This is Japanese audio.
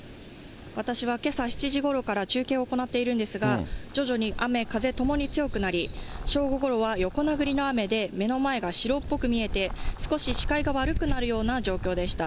私はけさ７時ごろから中継を行っているんですが、徐々に雨、風ともに強くなり、正午ごろは横殴りの雨で、目の前が白っぽく見えて、少し視界が悪くなるような状況でした。